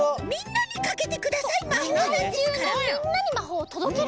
みんなにね！